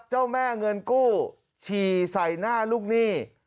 เจ้าแม่เงินกู้ฉี่ใส่หน้าลูกหนี้